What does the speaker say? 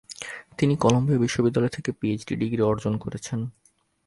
তিনি কলাম্বিয়া বিশ্ববিদ্যালয় থেকে পিএইচডি ডিগ্রি অর্জন করেছেন।